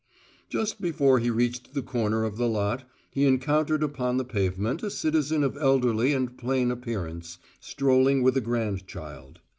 Just before he reached the corner of the lot, he encountered upon the pavement a citizen of elderly and plain appearance, strolling with a grandchild.